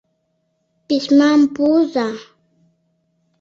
Письмам пуыза!